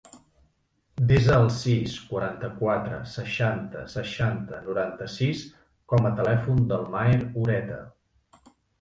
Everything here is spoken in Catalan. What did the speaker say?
Desa el sis, quaranta-quatre, seixanta, seixanta, noranta-sis com a telèfon del Maher Ureta.